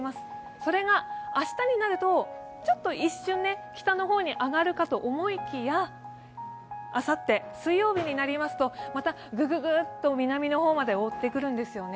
それが明日になるとちょっと一瞬、北の方に上がるかと思いきや、あさって水曜日になりますとまたグググっと南の方まで覆ってくるんですよね。